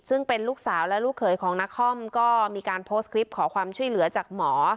ซึ่งเป็นลูกสาวและลูกเขยของนาคอมก็มีการโพสต์คลิปขอความช่วยเหลือจากหมอ